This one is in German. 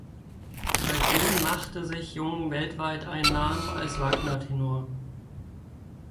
Seitdem machte sich Jung weltweit einen Namen als Wagner-Tenor.